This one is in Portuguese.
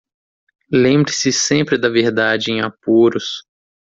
Lembre-se sempre da verdade em apuros